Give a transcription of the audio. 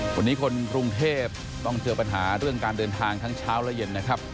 วันนี้คนกรุงเทพต้องเจอปัญหาเรื่องการเดินทางทั้งเช้าและเย็นนะครับ